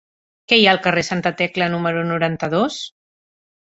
Què hi ha al carrer de Santa Tecla número noranta-dos?